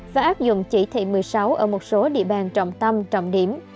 và áp dụng chỉ thị một mươi sáu ở một số địa bàn trọng tâm trọng điểm